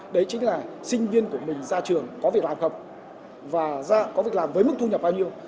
đấy chính là sinh viên của mình ra trường có việc làm không và có việc làm với mức thu nhập bao nhiêu